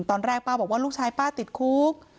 ตอนแรกป้าบอกว่าลูกชายป้าติดคุก